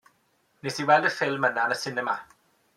Wnes i weld y ffilm yna yn y sinema.